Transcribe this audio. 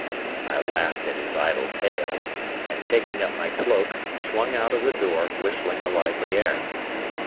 I laughed at his idle tale and, taking up my cloak, swung out of the door, whistling a lively air.